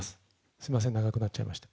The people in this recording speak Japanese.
すいません、長くなっちゃいました。